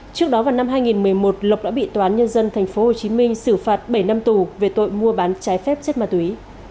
trước đó vào năm hai nghìn một mươi một lộc đã bị toán nhân dân tp hcm xử phạt bảy năm tù về tội mua bán trái phép chất ma túy